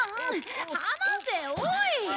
離せおい！